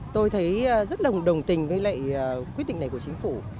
tôi thấy rất đồng tình với quyết định này của chính phủ